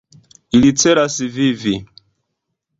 Ili celas vivi.